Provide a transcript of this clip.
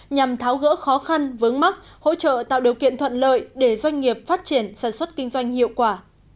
nhằm tháo gỡ khó khăn vướng mắc hỗ trợ tạo điều kiện thuận lợi để doanh nghiệp phát triển sản xuất kinh doanh hiệu quả